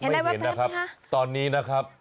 ไม่เห็นนะครับตอนนี้นะครับ